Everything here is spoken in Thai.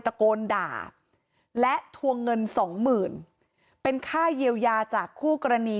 ตะโกนด่าและทวงเงินสองหมื่นเป็นค่าเยียวยาจากคู่กรณี